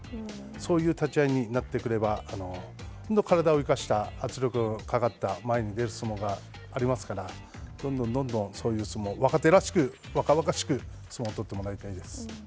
そういう立ち合いになってくれば、本当体を生かした圧力がかかった前に出る相撲がありますから、どんどんどんどん、そういう相撲若手らしく、若々しく相撲を取ってもらいたいです。